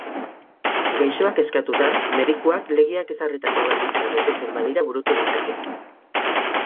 Gaixoak eskatuta, medikuak legeak ezarritako baldintzak betetzen badira burutu dezake.